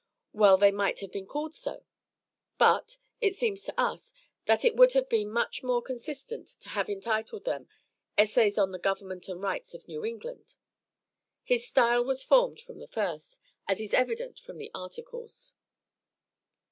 Well they might have been called so, but, it seems to us, that it would have been much more consistent to have entitled them "Essays on the Government and Rights of New England." His style was formed from the first, as is evident from the articles.